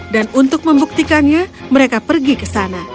dan untuk membuktikannya mereka pergi ke sana